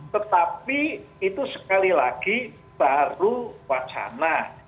tetapi itu sekali lagi baru wacana